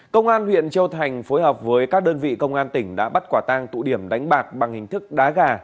công an huyện châu thành phối hợp với các đơn vị công an tỉnh đã bắt quả tang tụ điểm đánh bạc bằng hình thức đá gà